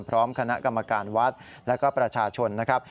พร้อมคณะกรรมการวัดและก็ประชาชนนะครับ